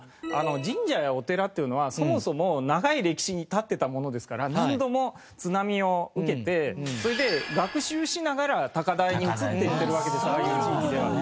神社やお寺っていうのはそもそも長い歴史に立ってたものですから何度も津波を受けてそれで学習しながら高台に移っていってるわけですああいう地域ではね。